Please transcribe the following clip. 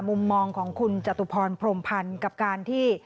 มุมมองของคุณจตุพรพรมพันธ์กับการที่